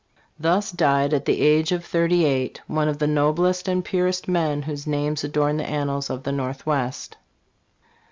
Thus died, at the age of thirty eight, one of the noblest and purest men whose names adorn the annals of the northwest.